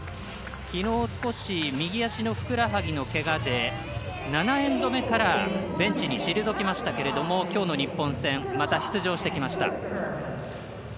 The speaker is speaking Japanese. きのう、少し右足のふくらはぎのけがで、７エンド目からベンチに退きましたけれどもきょうの日本戦また出場してきました。